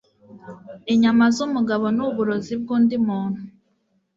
Inyama zumugabo nuburozi bwundi muntu